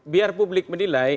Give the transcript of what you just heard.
biar publik menilai